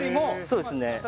そうですね。